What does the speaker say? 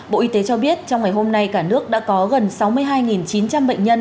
bộ y tế cho biết trong ngày hôm nay cả nước đã có gần sáu mươi hai chín trăm linh bệnh nhân